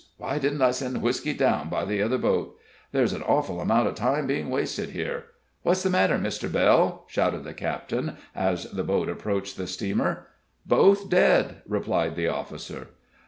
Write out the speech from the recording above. Why didn't I send whisky down by the other boat? There's an awful amount of time being wasted here. What's the matter, Mr. Bell?" shouted the captain, as the boat approached the steamer. "Both dead!" replied the officer.